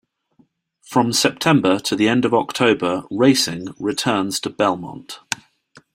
From September to the end of October racing returns to Belmont.